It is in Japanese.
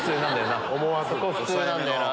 ここ普通なんだよな。